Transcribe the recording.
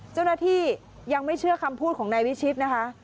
เจ้าหน้าที่ยังไม่เชื่อคำพูดของนายวิชิตนะคะ